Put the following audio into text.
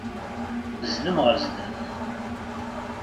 Zdem ɣer sdat.